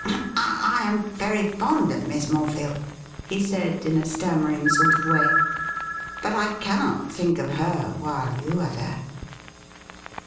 ' I am very fond of Miss Morefield,' he said, in a stammer ing sort of way ;' but I cannot think of her while you are there.'